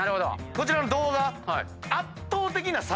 こちらの動画。